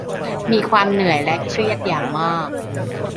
มีความเหนื่อยและเครียดอย่างมาก